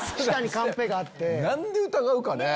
何で疑うかね？ねぇ！